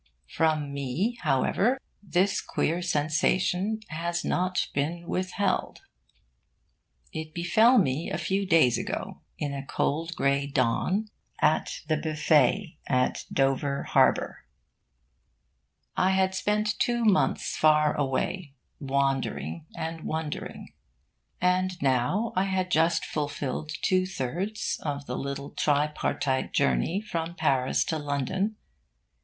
From me, however, this queer sensation has not been withheld. It befell me a few days ago; in a cold grey dawn, and in the Buffet of Dover Harbour. I had spent two months far away, wandering and wondering; and now I had just fulfilled two thirds of the little tripartite journey from Paris to London.